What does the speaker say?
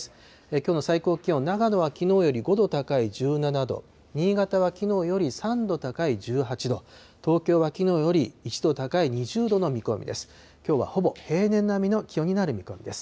きょうの最高気温、長野はきのうより５度高い１７度、新潟はきのうより３度高い１８度、東京はきのうより１度高い２０度の見込みです。